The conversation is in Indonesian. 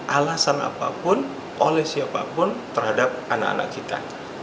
alasan apapun oleh siapapun terhadap anak anak kita